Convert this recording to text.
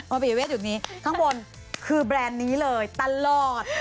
โรงพยาเวศอยู่ตรงนี้ข้างบนคือแบรนด์นี้เลยตลอด